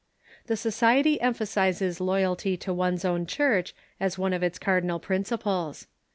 This society emphasizes loyalty to one's own Church as one of its cardinal principles.